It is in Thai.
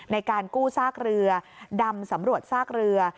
ในการกู้ซากเรือดำสำรวจซากเรือ